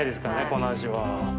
この味は。